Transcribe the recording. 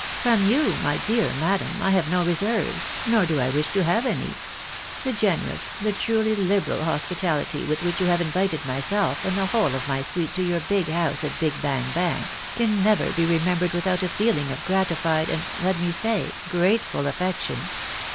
From you, my dear madam, 1 have no reserves, nor do I v. ish to have any ; the generous, the truly liberal hospitality with which you have invited myself and the v.hole of my suite to your house at Big Gang Bank, can never be remembered without a feeling of gratified, and, let me say, grateful affection.